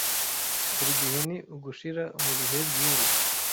Buri gihe ni ugushira mubihe byubu.